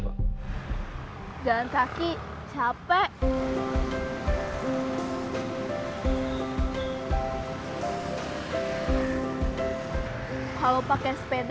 jalan kaki capek